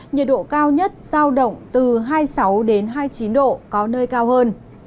nhiệt độ cao nhất giao động từ hai mươi sáu hai mươi chín độ có nơi cao hơn